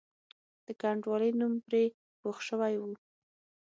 د کنډوالې نوم پرې پوخ شوی وو.